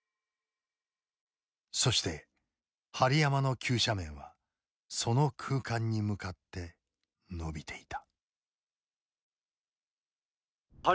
そして針山の急斜面はその空間に向かって伸びていた。